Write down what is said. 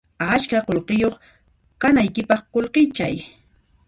Ashka qullqiyuq kanaykipaq qullqichay